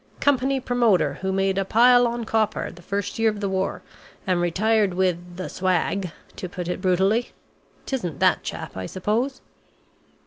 Company promoter who made a pile on copper, the first year of the war, and retired with 'the swag' to put it brutally. 'Tisn't that chap I suppose?"